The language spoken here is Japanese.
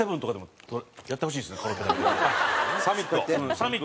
サミット？